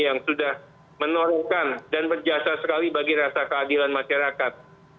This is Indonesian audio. yang sudah menorehkan dan berjasa sekali bagi rasa keadilan masyarakat